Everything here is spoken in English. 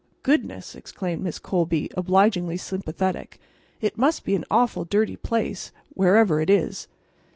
"Goodness!" exclaimed Miss Colby, obligingly sympathetic. "It must be an awful dirty place, wherever it is."